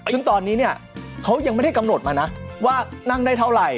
ซึ่งตอนนี้เนี่ยเขายังไม่ได้กำหนดมานะว่านั่งได้เท่าไหร่